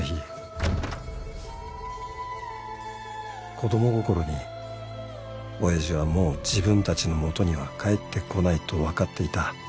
子供心に親父はもう自分たちの元には帰ってこないと分かっていた